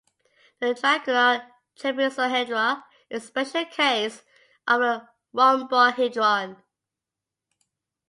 The trigonal trapezohedra is a special case of a rhombohedron.